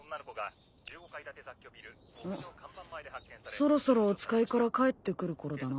そろそろお使いから帰ってくるころだな。